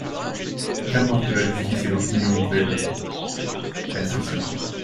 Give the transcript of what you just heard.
Qu’importent la justice et l’opinion auprès de …» Elle frissonna.